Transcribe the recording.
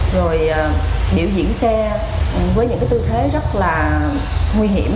rồi biểu diễn xe với những cái tư thế rất là nguy hiểm